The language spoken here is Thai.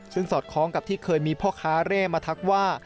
ซึ่งสอดคล้องกับที่เคยมีพ่อค้าเร่มาทักว่า